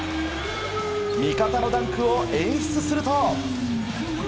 味方のダンクを演出すると。